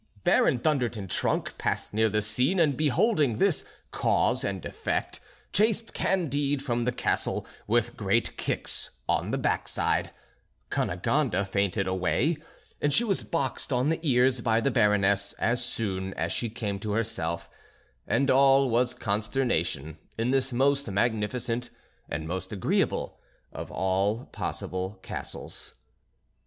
Baron Thunder ten Tronckh passed near the screen and beholding this cause and effect chased Candide from the castle with great kicks on the backside; Cunegonde fainted away; she was boxed on the ears by the Baroness, as soon as she came to herself; and all was consternation in this most magnificent and most agreeable of all possible castles.